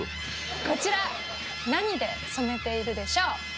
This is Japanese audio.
こちら何で染めているでしょう？